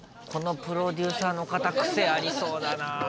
このプロデューサーの方癖ありそうだな。